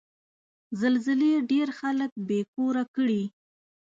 زلزلې ډېر خلک بې کوره کړي.